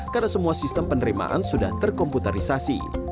karena semua sistem penerimaan sudah terkomputerisasi